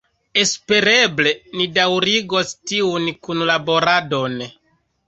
Espereble ni daŭrigos tiun kunlaboradon.